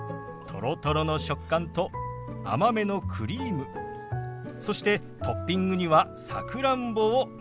とろとろの食感と甘めのクリームそしてトッピングにはさくらんぼをのせてみました。